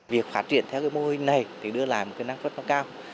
việc phát triển theo mô hình này đưa lại năng phất cao